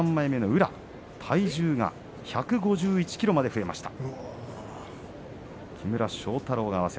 宇良の体重が１５１ｋｇまで増えました。